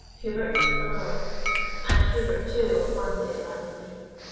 Hubert alone and Hubert too will one day abandon me.